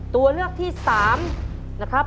ตัวเลือกที่๓นะครับ